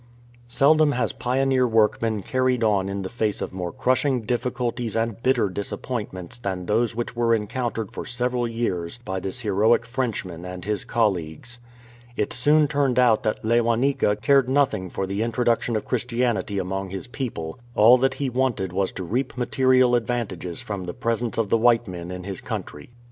Seldom has pioneer work been carried on in the face of more crushing difficulties and bitter disappointments than those which were encountered for several years by this heroic Frenchman and his colleagues. It soon turned out that Lewanika cared nothing for the introduction of Christianity among his people ; all that he wanted was to reap material advantages from the presence of the white men in his country.